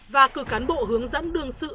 và cử cán bộ hướng dẫn đương sự